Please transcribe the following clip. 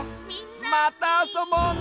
またあそぼうね！